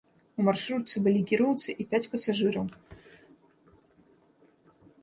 У маршрутцы былі кіроўца і пяць пасажыраў.